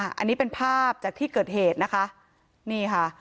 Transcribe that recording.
อันนี้เป็นภาพจากที่เกิดเหตุนะคะนี่ค่ะ